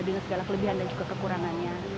dengan segala kelebihan dan juga kekurangannya